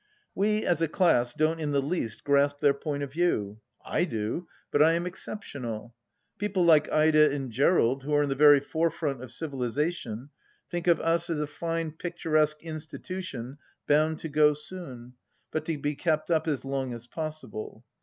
We, as a class, don't in the least grasp their point of view. I do; but I am exceptional. People like Ida and Gerald, who are in the very forefront of civilization, think of Us as a fine picturesque institution bound to go soon, but to be kept up as long as possible.